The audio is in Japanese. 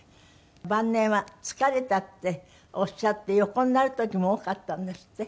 晩年は「疲れた」っておっしゃって横になる時も多かったんですって？